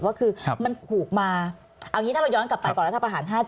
ก็คือมันผูกมาเอาอย่างนี้ถ้าเราย้อนกลับไปก่อนรัฐประหาร๕๗